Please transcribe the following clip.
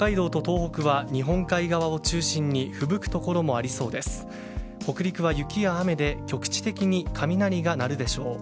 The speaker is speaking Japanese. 北陸は雪や雨で局地的に雷が鳴るでしょう。